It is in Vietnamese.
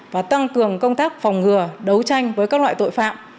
và tăng cường công tác phòng ngừa đấu tranh với các loại tội phạm